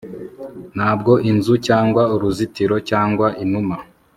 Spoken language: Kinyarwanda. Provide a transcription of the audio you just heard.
Ntabwo inzu cyangwa uruzitiro cyangwa inuma